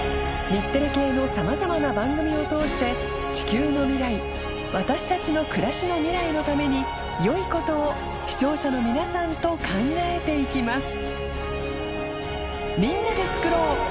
さまざまな番組を通して狼紊量ね私たちの暮らしの未来のために匹い海箸視聴者の皆さんと考えていきます